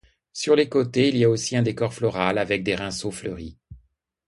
Sur les côtés, il y a aussi un décor floral avec des rinceaux fleuris.